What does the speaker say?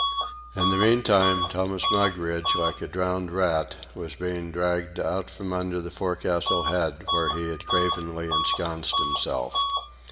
In the meantime Thomas Mugridge, like a drowned rat, was being dragged out from under the forecastle head where he had cravenly ensconced himself.